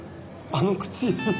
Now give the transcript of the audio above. あの口